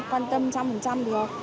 quan tâm trăm phần trăm được